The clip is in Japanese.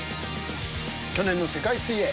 去年の世界水泳。